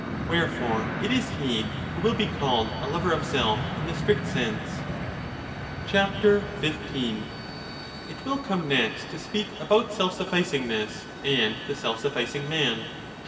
Wherefore it is he who will be called a lover of self in the strict sense. ^5 It will come next to speak about self sufficingness and the self sufficing man.